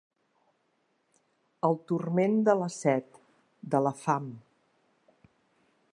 El turment de la set, de la fam.